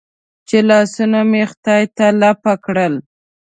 چې لاسونه مې خدای ته لپه کړل.